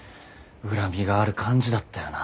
恨みがある感じだったよな。